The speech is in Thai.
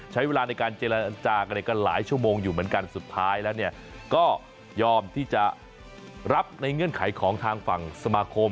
ใช้เวลาในการเจรจากันหลายชั่วโมงอยู่เหมือนกันสุดท้ายแล้วเนี่ยก็ยอมที่จะรับในเงื่อนไขของทางฝั่งสมาคม